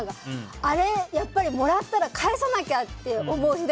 あれ、やっぱりもらったら返さなきゃって思う。